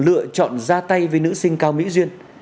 lựa chọn ra tay với nữ sinh cao mỹ duyên